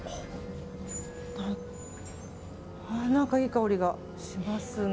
何かいい香りがしますね。